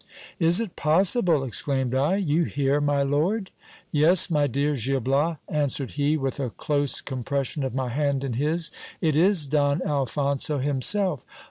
Is it possible ! exclaimed I : you here, my lord ? Yes, my dear Gil Bias, an swered he with a close compression of my hand in his, it is Don Alphonso him self.